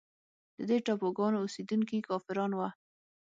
د دې ټاپوګانو اوسېدونکي کافران وه.